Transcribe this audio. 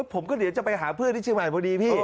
ผมก็เดี๋ยวจะไปหาเพื่อนที่เชียงใหม่พอดีพี่